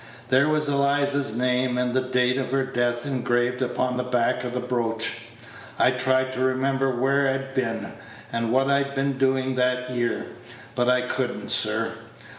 There was Eliza's name and the date of her death engraved upon the back of the brooch. I tried to remember where I'd been, and what I'd been doing that year. But I could n't, sir.